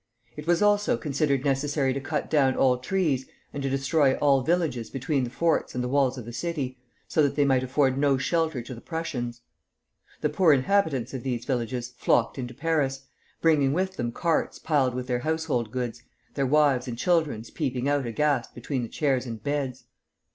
It was also considered necessary to cut down all trees and to destroy all villages between the forts and the walls of the city, so that they might afford no shelter to the Prussians. The poor inhabitants of these villages flocked into Paris, bringing with them carts piled with their household goods, their wives and children peeping out aghast between the chairs and beds.